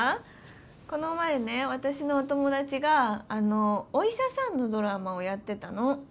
この前ね私のお友達がお医者さんのドラマをやってたの。